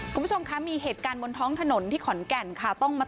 คุณผู้ชมคะมีเหตุการณ์บนท้องถนนที่ขอนแก่นค่ะ